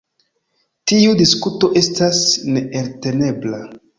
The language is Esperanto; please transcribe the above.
Tiu diskuto estas neeltenebla.